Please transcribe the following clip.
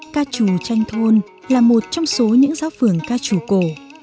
ca trù tranh thôn là một trong số những giáo phường ca trù cổ